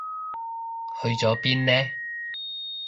去咗邊呢？